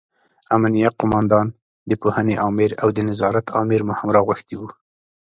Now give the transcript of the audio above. امینه قوماندان، د پوهنې امر او د نظارت امر مو راغوښتي وو.